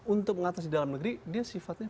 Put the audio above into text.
untuk mengatasi dalam negeri dia sifatnya